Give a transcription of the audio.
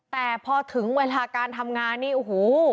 แต่พอถึงเวลาการทำงานนี่โอ้โห